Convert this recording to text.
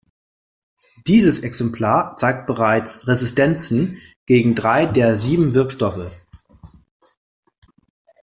Dieses Exemplar zeigt bereits Resistenzen gegen drei der sieben Wirkstoffe.